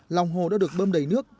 lòng hồ đã được bơm đầy nước